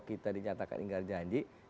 kita dinyatakan ingkaran janji